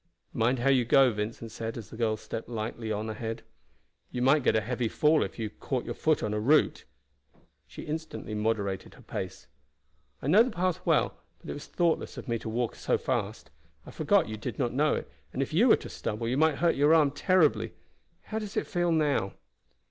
"Mind how you go," Vincent said as the girl stepped lightly on ahead. "You might get a heavy fall if you caught your foot on a root." She instantly moderated her pace. "I know the path well, but it was thoughtless of me to walk so fast. I forgot you did not know it, and if you were to stumble you might hurt your arm terribly. How does it feel now?"